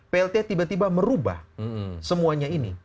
plt tiba tiba merubah semuanya ini